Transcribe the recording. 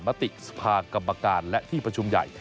มติสภากรรมการและที่ประชุมใหญ่